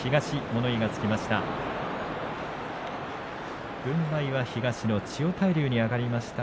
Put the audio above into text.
物言いがつきました。